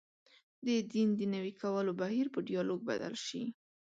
د دین د نوي کولو بهیر په ډیالوګ بدل شي.